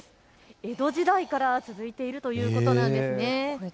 江戸時代から続いているということなんです。